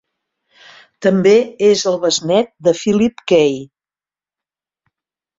També és el besnet de Philip Key.